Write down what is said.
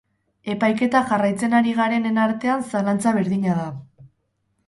Epaiketa jarraitzen ari garenen artean zalantza berdina da.